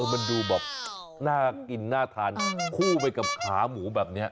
มันดูแบบน่ากินน่าทานคู่ไปกับขาหมูแบบนี้